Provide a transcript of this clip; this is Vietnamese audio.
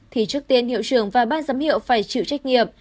thì trước tiên hiệu trưởng và ban giám hiệu phải chịu trách nhiệm